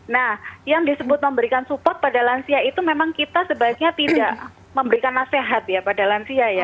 nah yang disebut memberikan support pada lansia itu memang kita sebaiknya tidak memberikan nasihat ya pada lansia ya